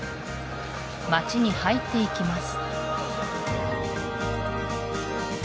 街に入っていきます